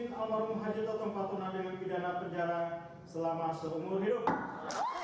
dengan pidana penjara selama seumur hidup